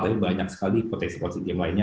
tapi banyak sekali potensi potensi game lainnya